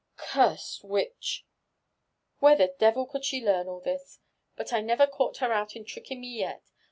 *' Cursed witch !— where the devil could she learn all this? But I never caught her out in tricking me yet.